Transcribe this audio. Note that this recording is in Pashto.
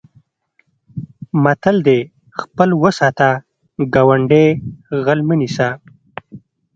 متل دی: خپل و ساته ګاونډی غل مه نیسه.